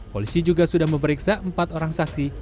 polisi juga sudah memeriksa empat orang saksi